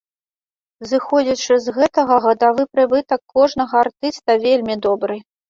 Зыходзячы з гэтага гадавы прыбытак кожнага артыста вельмі добры.